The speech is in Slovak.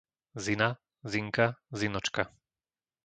Zina, Zinka, Zinočka